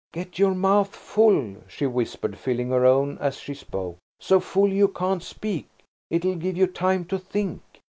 "Get your mouth full," she whispered, filling her own as she spoke–"so full you can't speak–it'll give you time to think."